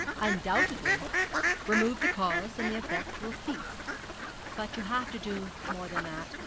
'Undoubtedly. Remove the cause, and the effect will cease. But you have to do more than that.